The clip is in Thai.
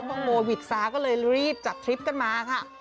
เป้าโมวิจสาห์ก็เลยรีบจัดคลิปกันมาค่ะ